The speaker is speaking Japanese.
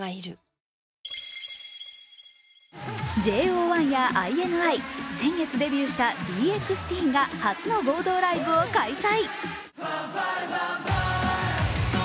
ＪＯ１やＩＮＩ先月デビューしたＤＸＴＥＥＮが初の合同ライブを開催。